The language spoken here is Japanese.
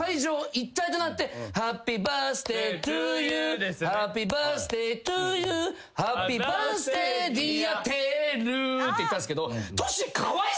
一体となって「ハッピーバースデートゥユーハッピーバースデートゥユー」「ハッピーバースデーディアＴＥＲＵ」って言ったんすけど。